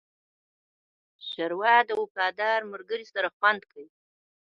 ښوروا د وفادار ملګرو سره خوند کوي.